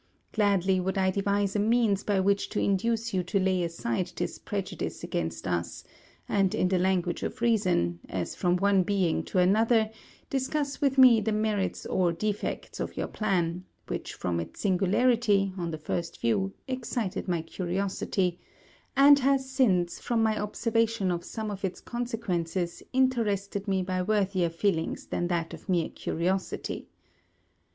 Gladly would I devise a means by which to induce you to lay aside this prejudice against us, and in the language of reason, as from one being to another, discuss with me the merits or defects of your plan; which from its singularity, on the first view, excited my curiosity; and has since, from my observation of some of its consequences, interested me by worthier feelings than that of mere curiosity.